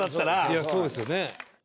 いやそうですよね。